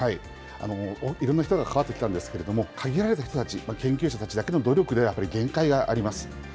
いろんな人がかかわってきたんですけれども、限られた人たち、研究者だけの努力ではやっぱり限界があります。